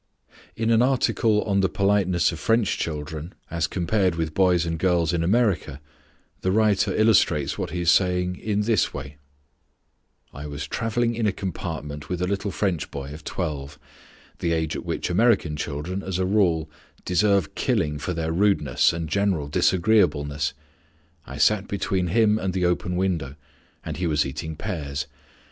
In an article on the politeness of French children as compared with boys and girls in America, the writer illustrates what he is saying in this way: "I was travelling in a compartment with a little French boy of twelve, the age at which American children, as a rule, deserve killing for their rudeness and general disagreeableness. I sat between him and the open window, and he was eating pears.